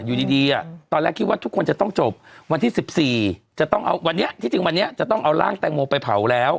อยู่ดีตอนแรกคิดว่าทุกคนจะต้องจบวันที่๑๔จะต้องเอาวันนี้ที่จริงวันนี้จะต้องเอาร่างแตงโมไปเผาแล้ว